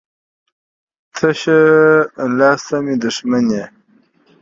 تشه لاسه ته مې دښمن یې